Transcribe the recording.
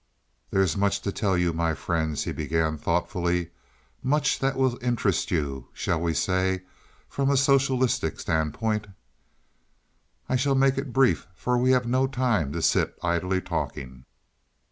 "There is much to tell you, my friends," he began thoughtfully. "Much that will interest you, shall we say from a socialistic standpoint? I shall make it brief, for we have no time to sit idly talking.